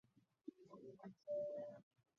似锥低颈吸虫为棘口科低颈属的动物。